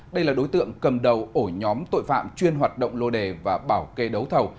đây là đối tượng cầm đầu ổ nhóm tội phạm chuyên hoạt động lô đề và bảo kê đấu thầu